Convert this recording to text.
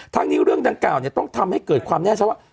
ทั้งนี้เรื่องดังกล่าวต้องทำให้เกิดความแน่ชัดว่า